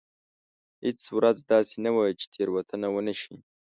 هېڅ ورځ داسې نه وه چې تېروتنه ونه شي.